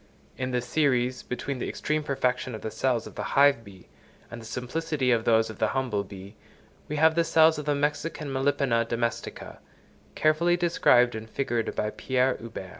In the series between the extreme perfection of the cells of the hive bee and the simplicity of those of the humble bee, we have the cells of the Mexican Melipona domestica, carefully described and figured by Pierre Huber.